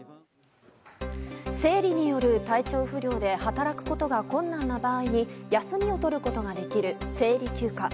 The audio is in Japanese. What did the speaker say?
生理による体調不良で働くことが困難な場合に休みを取ることができる生理休暇。